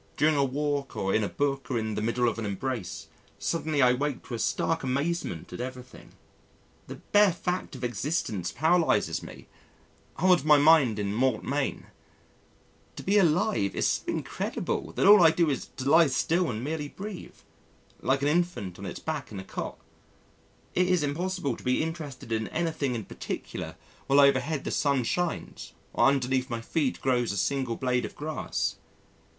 During a walk or in a book or in the middle of an embrace, suddenly I awake to a stark amazement at everything. The bare fact of existence paralyses me holds my mind in mort main. To be alive is so incredible that all I do is to lie still and merely breathe like an infant on its back in a cot. It is impossible to be interested in anything in particular while overhead the sun shines or underneath my feet grows a single blade of grass.